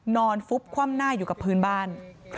ฟุบคว่ำหน้าอยู่กับพื้นบ้าน